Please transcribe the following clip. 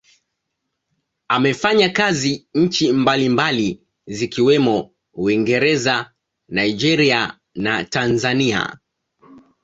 Amefanya kazi nchi mbalimbali zikiwemo Uingereza, Nigeria na Tanzania.